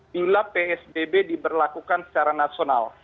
bila psbb diberlakukan secara nasional